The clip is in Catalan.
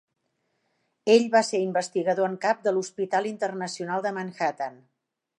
Ell va ser investigador en cap de l'Hospital Internacional de Manhattan.